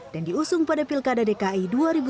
dan diusung pada pilkada dki